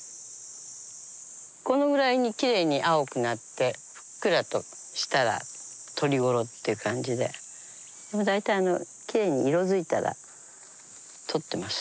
このぐらいにきれいに青くなってふっくらとしたらとり頃って感じで大体きれいに色づいたらとってます。